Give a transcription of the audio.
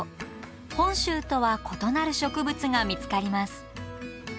本州とは異なる植物が見つかります。